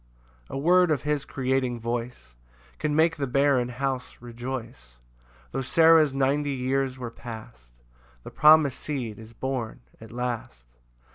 6 [A word of his creating voice Can make the barren house rejoice: Tho' Sarah's ninety years were past, The promis'd seed is born at last.